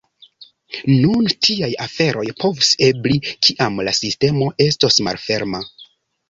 Nun tiaj aferoj povus ebli, kiam la sistemo estos malferma.